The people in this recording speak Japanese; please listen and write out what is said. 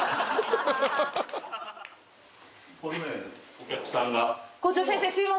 お客さんが。